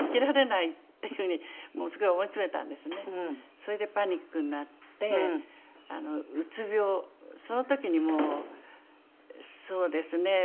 それでパニックになってうつ病その時にもうそうですね